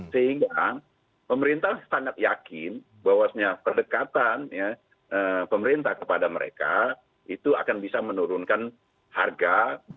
sehingga pemerintah sangat yakin bahwasannya pendekatan pemerintah kepada mereka itu akan bisa menurunkan harga